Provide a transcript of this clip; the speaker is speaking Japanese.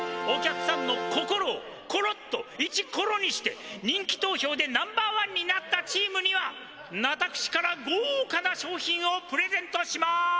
お客さんのココロをコロッとイチコロにして人気投票でナンバーワンになったチームには私からごうかな賞品をプレゼントします！